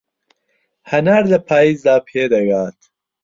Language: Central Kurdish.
هەنار لە پایزدا پێدەگات